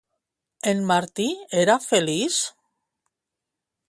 En Martí era feliç?